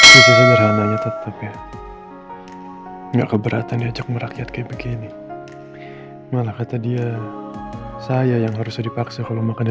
tidak keberatan diajak merakyat kayak begini malah kata dia saya yang harus dipaksa kalau makan di